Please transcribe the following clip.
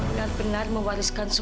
selamat pagi semuanya